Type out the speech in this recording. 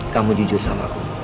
kamu jujur sama aku